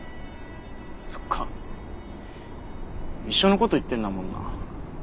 そっか一緒のこと言ってんだもんな。